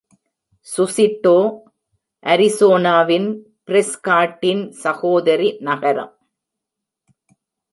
சுசிட்டோ அரிசோனாவின் பிரெஸ்காட்டின் சகோதரி நகரம்.